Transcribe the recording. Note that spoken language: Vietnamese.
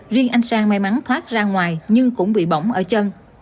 riêng anh sang may mắn thoát ra ngoài nhưng cũng bị bỏng ở chân